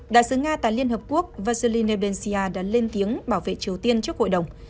đại sứ nga tại liên hợp quốc vasily nebensia đã lên tiếng bảo vệ triều tiên trước hội đồng